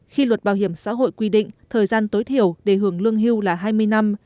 khi luật bảo hiểm xã hội quy định thời gian tối thiểu để hưởng lương hưu là hai mươi năm